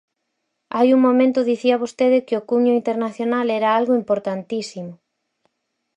Hai un momento dicía vostede que o cumio internacional era algo importantísimo.